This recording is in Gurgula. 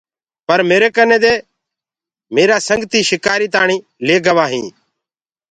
پر ميري ڪني دي ڪي ميرآ سنگتي شڪآري تاڻيٚ لي ڪي گوآ هينٚ۔